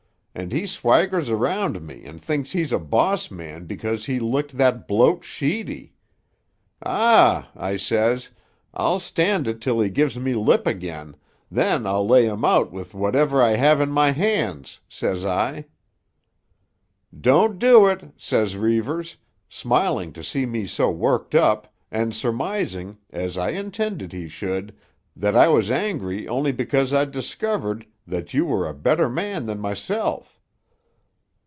'An' he swaggers around me and thinks he's a boss man because he licked that bloat Sheedy. Ah!' I says. 'I'll stand it till he gives me lip again; then I'll lay him out with whatever I have in my hands,' says I. "'Don't do it,' says Reivers, smiling to see me so worked up, and surmising, as I intended he should, that I was angry only because I'd discovered that you were a better man than mysel'.